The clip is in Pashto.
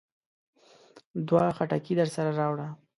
دوه خټکي درسره راوړه.